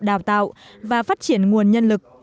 đào tạo và phát triển nguồn nhân lực